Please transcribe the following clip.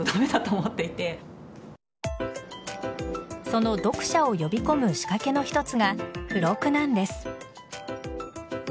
その読者を呼び込む仕掛けの一つが付録なんです。